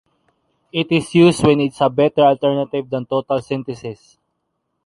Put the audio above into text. It is used when it is a better alternative than total synthesis.